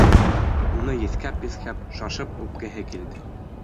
Уны еҫкәп-еҫкәп, шашып үпкеһе килде.